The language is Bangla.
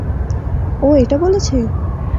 ও এটা বলেছে?